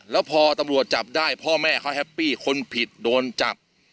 แล้วพอตำรวจจับได้พ่อแม่เขาแฮปปี้คนผิดโดนจับ